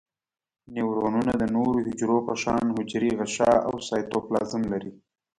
نیورونونه د نورو حجرو په شان حجروي غشاء او سایتوپلازم لري.